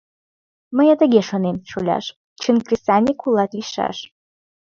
Мый тыге шонем, шоляш: чын кресаньык кулак лийшаш.